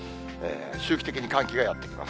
周期的に寒気がやって来ます。